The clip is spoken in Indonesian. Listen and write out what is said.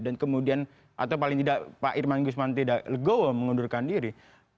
dan kemudian atau paling tidak pak irman guzman tidak legowo mengundurkan diri